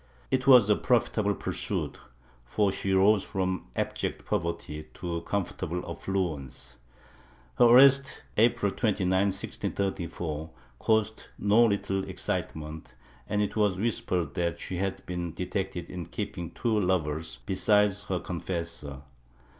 It was a profitable pur suit, for she rose from abject poverty to comfortable affluence. Her arrest, April 29, 1634, caused no little excitement, and it was whispered that she had been detected in keeping two lovers besides her confessor.